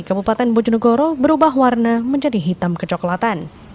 kabupaten bojonegoro berubah warna menjadi hitam kecoklatan